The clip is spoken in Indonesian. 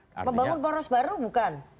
membangun boros baru bukan